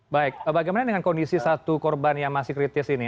baik bagaimana dengan kondisi satu korban yang masih kritis ini